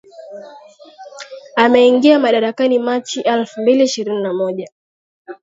Ameingia madarakani Machi elfu mbili ishirini na moja